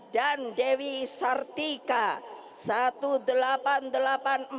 dan dewi sartika